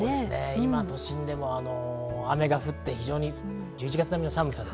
今、都心でも雨が降って１１月並みの寒さ。